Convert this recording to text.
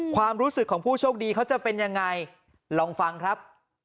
ความรู้สึกของผู้โชคดีเขาจะเป็นยังไงลองฟังครับ